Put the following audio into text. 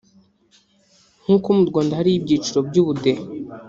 nk’uko mu Rwanda hariho ibyiciro by’ubudehe